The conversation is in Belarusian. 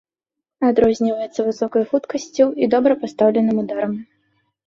Адрозніваецца высокай хуткасцю і добра пастаўленым ударам.